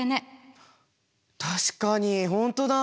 あっ確かに本当だ。